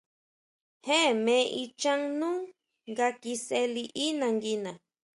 Je me ichán nú nga kisʼe liʼí nanguina.